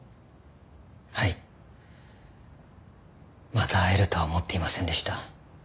また会えるとは思っていませんでした。